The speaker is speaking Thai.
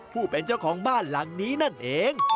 ผู้เป็นเจ้าของบ้านหลังนี้นั่นเอง